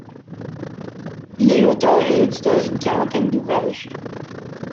Il est l'auteur et l'éditeur d'une quarantaine d'ouvrages.